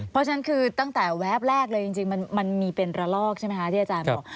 เพราะฉะนั้นคือตั้งแต่แวบแรกเลยจริงมันมีเป็นระลอกใช่ไหมคะที่อาจารย์บอก